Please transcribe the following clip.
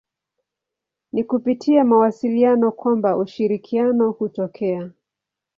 Ni kupitia mawasiliano kwamba ushirikiano hutokea.